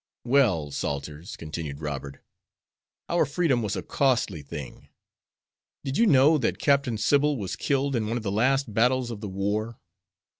"Well, Salters," continued Robert, "our freedom was a costly thing. Did you know that Captain Sybil was killed in one of the last battles of the war?